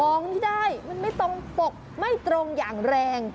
ของที่ได้มันไม่ตรงปกไม่ตรงอย่างแรง